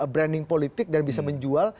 branding politik dan bisa menjual